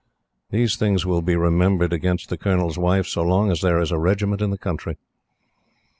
These things will be remembered against the Colonel's Wife so long as there is a regiment in the country.